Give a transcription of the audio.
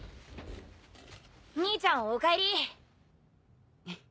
兄ちゃんおかえり。